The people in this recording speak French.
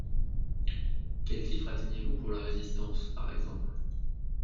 Quel chiffre atteignez-vous pour la résistance, par exemple ?